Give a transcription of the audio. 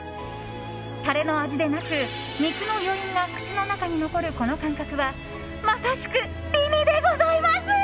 タレの味でなく肉の余韻が口の中に残るこの感覚はまさしく美味でございます！